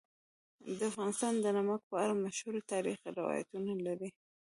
افغانستان د نمک په اړه مشهور تاریخی روایتونه لري.